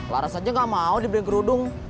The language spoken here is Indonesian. laras aja gak mau dibeliin kerudung